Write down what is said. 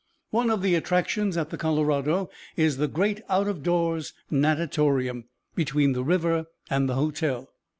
One of the attractions at the Colorado is the great out of doors natatorium, between the river and the hotel.